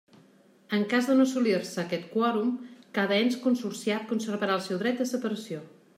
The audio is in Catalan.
En cas de no assolir-se aquest quòrum, cada ens consorciat conservarà el seu dret de separació.